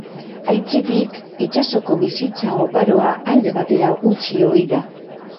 Aitzitik, itsasoko bizitza oparoa alde batera utzi ohi da.